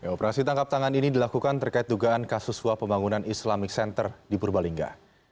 operasi tangkap tangan ini dilakukan terkait dugaan kasus suap pembangunan islamic center di purbalingga